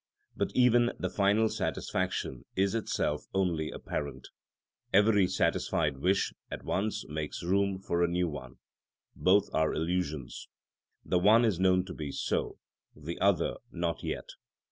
But even the final satisfaction is itself only apparent; every satisfied wish at once makes room for a new one; both are illusions; the one is known to be so, the other not yet.